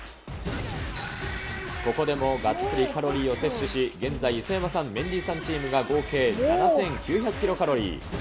ここでもがっつりカロリーを摂取し、現在、磯山さん、メンディーさんチームが合計７９００キロカロリー。